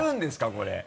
これ。